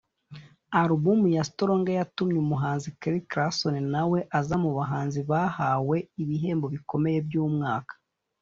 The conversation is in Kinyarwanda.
Album "Stronger" yatumye umuhanzi Kelly Clarkson nawe aza mu bahanzi bahawe ibihembo bikomeye by’umwaka